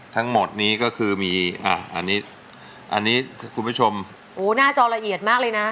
ทั้งหมดนี้ก็คือมีอ่ะอันนี้อันนี้คุณผู้ชมโอ้หน้าจอละเอียดมากเลยนะ